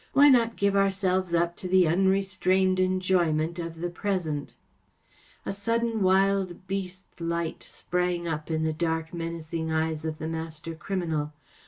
Why not give our¬ selves up to the unrestrained enjoyment of the present ?" A sudden wild beast light sprang up in the dark, menacing eyes of the master criminal.